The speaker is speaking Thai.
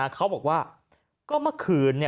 เขาบอกว่าก็เมื่อคืน